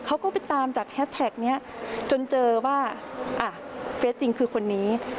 เขาก็ไปตามจากแฮสแท็กนี้จนเจอว่าอ่ะเฟสติงคือคนนี้